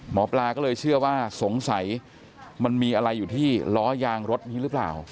หมอปลาก็เลยเชื่อว่าสงสัยมันมีอะไรอยู่ที่ล้อยางรถนี้หรือเปล่า